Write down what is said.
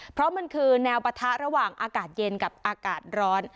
เพราะมันคือแนวปะทะระหว่างอากาศเย็นกับอากาศร้อน